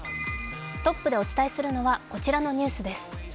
トップでお伝えするのはこちらのニュースです。